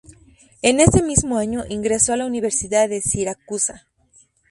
Ese mismo año ingresó a la Universidad de Siracusa.